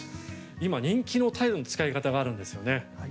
今、人気のタイルの使い方があるんですよね。